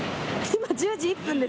今１０時１分です。